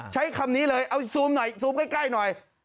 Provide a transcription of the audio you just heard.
ใช้คำนี้เลยเอามายุ่งหน่อยสูบไกลหน่อย